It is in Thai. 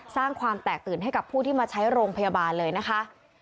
สร้างความแตกตื่นให้กับผู้ที่มาใช้โรงพยาบาลเลยนะคะ